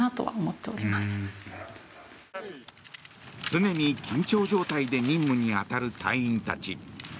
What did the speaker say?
常に緊張状態で任務に当たる隊員たち。